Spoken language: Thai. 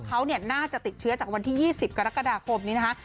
เขาน่าจะติดเชื้อจากวันที่๒๐กรกฎาคมนี้นะคะ